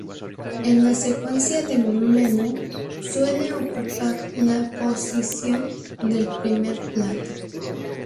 En la secuencia de un menú suele ocupar la posición del primer plato.